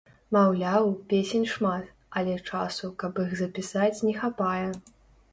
Маўляў, песень шмат, але часу, каб іх запісаць, не хапае.